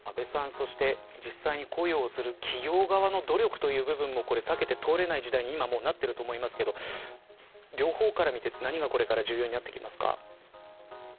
実際に雇用する企業側の努力も避けて通れない時代に今なっていると思いますが両方から見て、これから何が重要になってきますか。